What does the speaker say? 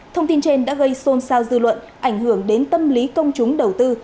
thông tin trên đã gây xôn xao dư luận ảnh hưởng đến tâm lý công chúng đầu tư